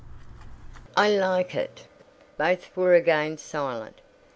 I like it!" Both were again silent.